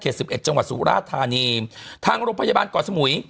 สิบเอ็ดจังหวัดสุราธานีทางโรงพยาบาลเกาะสมุย